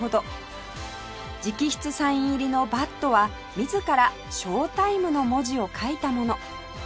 直筆サイン入りのバットは自ら「ＳＨＯＴＩＭＥ」の文字を書いたもの